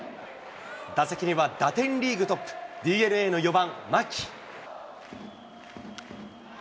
打席には打点リーグトップ、ＤｅＮＡの４番牧。